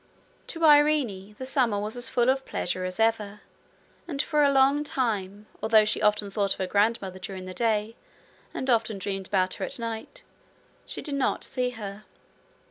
To Irene the summer was as full of pleasure as ever, and for a long time, although she often thought of her grandmother during the day, and often dreamed about her at night, she did not see her.